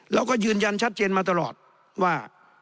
แล้วก็ยืนยันชัดเจนมาตลอดว่า